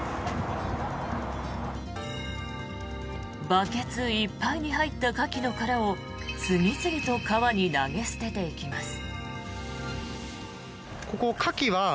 バケツいっぱいに入ったカキの殻を次々と川に投げ捨てていきます。